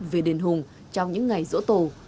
về đền hùng trong những ngày dỗ tổ